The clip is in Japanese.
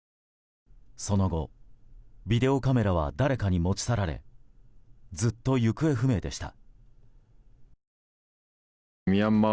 その後、ビデオカメラは誰かに持ち去られずっと行方不明でした。